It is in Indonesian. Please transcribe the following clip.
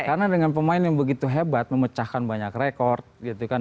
karena dengan pemain yang begitu hebat memecahkan banyak rekor gitu kan